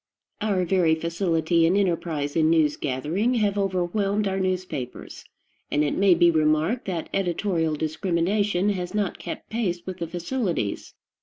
Our very facility and enterprise in news gathering have overwhelmed our newspapers, and it may be remarked that editorial discrimination has not kept pace with the facilities.